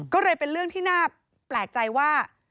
ก็เลยเป็นเรื่องที่น่าแปลกใจว่า